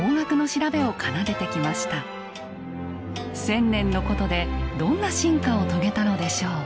千年の古都でどんな進化を遂げたのでしょう。